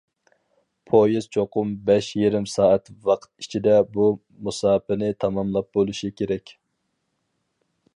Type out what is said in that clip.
پويىز چوقۇم بەش يېرىم سائەت ۋاقىت ئىچىدە بۇ مۇساپىنى تاماملاپ بولۇشى كېرەك.